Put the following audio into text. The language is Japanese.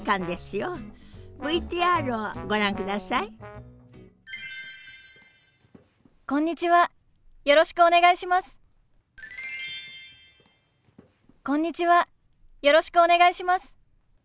よろしくお願いします。